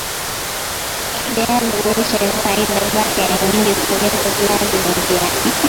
viazi lishe faida zake ni nyingi kuliko viazi vingine